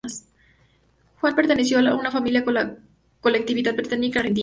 Juan perteneció a una familia de la colectividad británica en Argentina.